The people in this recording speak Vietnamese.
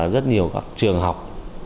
rất nhiều các trường học